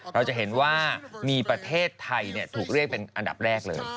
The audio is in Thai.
เราจะเห็นว่ามีประเทศไทยถูกเรียกเป็นอันดับแรกเลย